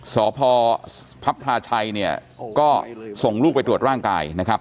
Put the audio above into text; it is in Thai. สพพราชัยก็ส่งลูกไปตรวจร่างกายนะครับ